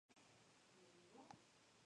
¿él no beberá?